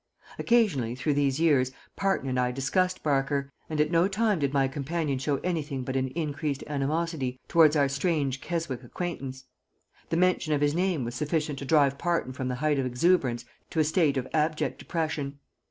Occasionally through these years Parton and I discussed Barker, and at no time did my companion show anything but an increased animosity towards our strange Keswick acquaintance. The mention of his name was sufficient to drive Parton from the height of exuberance to a state of abject depression.